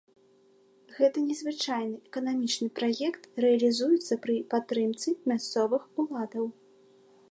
Гэты незвычайны эканамічны праект рэалізуецца пры падтрымцы мясцовых уладаў.